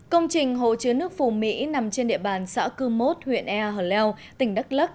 công trình hồ chứa nước phù mỹ nằm trên địa bàn xã cư mốt huyện ea hở leo tỉnh đắk lắc